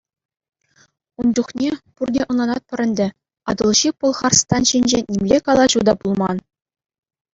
Ун чухне, пурте ӑнланатпӑр ӗнтӗ, Атӑлҫи Пӑлхарстан ҫинчен нимле калаҫу та пулман.